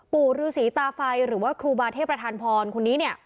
ปู่ฤษีตาไฟหรือว่าครูบาเทพประธานพรคนนี้เนี่ย